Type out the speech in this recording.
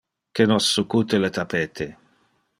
Que nos succute le tapete.